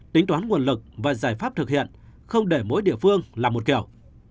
tính toán nguồn lực và giải pháp thực hiện không để mỗi địa phương là một kiểu